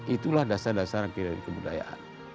itulah dasar dasar kebudayaan